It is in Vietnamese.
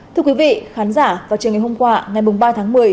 thưa quý vị khán giả vào chiều ngày hôm qua ngày ba tháng một mươi